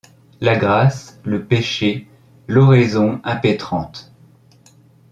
La grâce, le péché, l’oraison impétrante